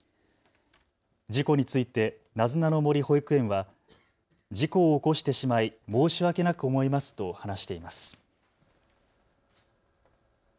事故についてなずなの森保育園は事故を起こしてしまい申し訳なく思いますと話しています。